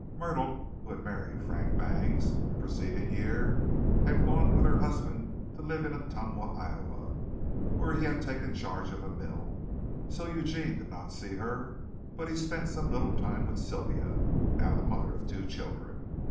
Myrtle, who had married Frank Bangs the preceding year, had gone with her husband to live in Ottumwa, Iowa, where he had taken charge of a mill, so Eugene did not see her, but he spent some little time with Sylvia, now the mother of two children.